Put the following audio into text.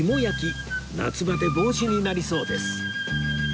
夏バテ防止になりそうです